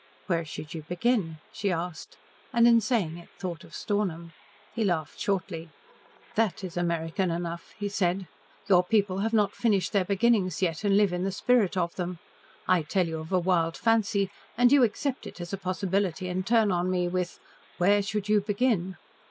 "Where should you begin?" she asked, and in saying it thought of Stornham. He laughed shortly. "That is American enough," he said. "Your people have not finished their beginnings yet and live in the spirit of them. I tell you of a wild fancy, and you accept it as a possibility and turn on me with, 'Where should you begin?'"